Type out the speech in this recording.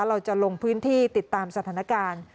เราจะลงพื้นที่ติดตามสถานการณ์